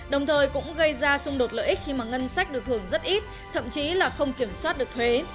đồng thời cũng gây ra xung đột lợi ích khi mà ngân sách được hưởng rất ít thậm chí là không kiểm soát được thuế